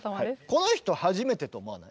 この人初めてと思わない？